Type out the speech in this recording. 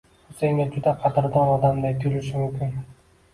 U senga juda qadrdon odamday tuyulishi mumkin.